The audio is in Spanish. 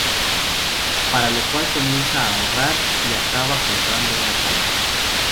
Para lo cual comienza a ahorrar y acaba comprando una cámara.